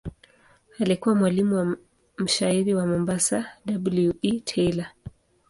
Alikuwa mwalimu wa mshairi wa Mombasa W. E. Taylor.